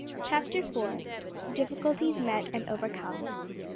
CHAPTER FOUR. DIFFICULTIES MET AND OVERCOME.